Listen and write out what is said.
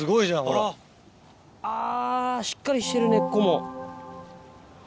あぁしっかりしてる根っこも。